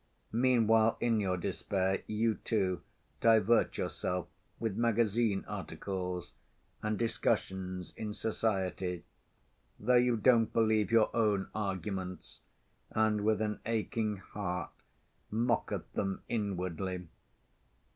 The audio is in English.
Meanwhile, in your despair, you, too, divert yourself with magazine articles, and discussions in society, though you don't believe your own arguments, and with an aching heart mock at them inwardly....